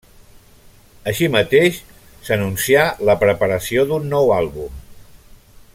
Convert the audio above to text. Així mateix s'anuncià la preparació d'un nou àlbum.